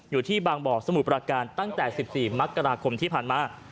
อยู่ที่บางบ่อสมุทรประการตั้งแต่๑๔มกราคมที่ผ่านมา